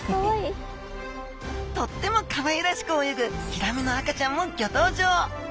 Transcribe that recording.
とってもかわいらしく泳ぐヒラメの赤ちゃんもギョ登場！